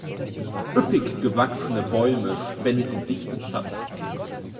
Üppig gewachsene Bäume spenden dichten Schatten.